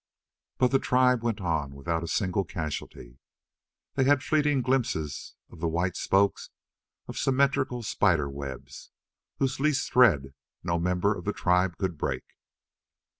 But the tribe went on without a single casualty. They had fleeting glimpses of the white spokes of symmetrical spider webs whose least thread no member of the tribe could break.